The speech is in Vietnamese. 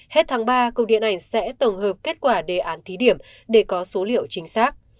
hết tháng ba cục điện ảnh sẽ tổng hợp kết quả đề án thí điểm để có số liệu chính xác